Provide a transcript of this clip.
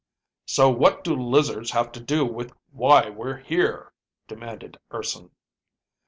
"So what do lizards have to do with why we're here?" demanded Urson.